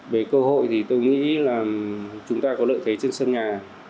về cơ hội thì tôi nghĩ là chúng ta có lợi thế trên sân nhà